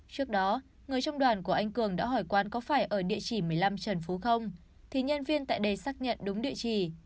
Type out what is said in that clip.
trước đó người trong đoàn của anh cường đã hỏi quán có phải ở địa chỉ một mươi năm trần phú không thì nhân viên tại đây xác nhận đúng địa chỉ